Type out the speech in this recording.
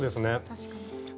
確かに。